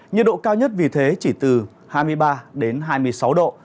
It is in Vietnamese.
nhiệt độ cao nhất vì thế chỉ từ hai mươi ba đến hai mươi sáu độ